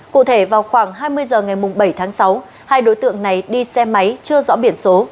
cụ thể vào khoảng hai mươi h ngày bảy tháng sáu hai đối tượng này đi xe máy chưa rõ biển số